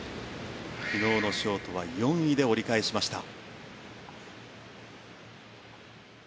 昨日のショートは４位で折り返しました。